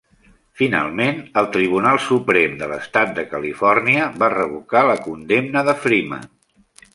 Finalment, el tribunal suprem de l'Estat de Califòrnia va revocar la condemna de Freeman.